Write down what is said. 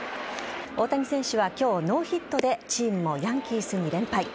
大谷選手は今日ノーヒットでチームもヤンキースに連敗。